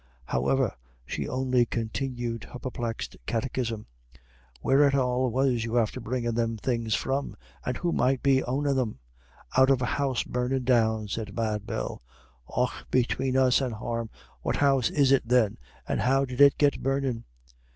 However, she only continued her perplexed catechism: "Where at all was you after bringin' them things from, and who might be ownin' them?" "Out of a house burnin' down," said Mad Bell. "Och between us and harm. What house is it then? And how did it get burnin'?"